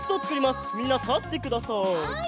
みんなたってください。